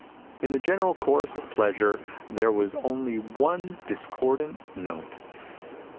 In the general chorus of pleasure there was only one discordant note.